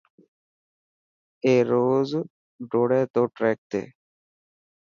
اي روز ڊوڙي تو ٽريڪ تي .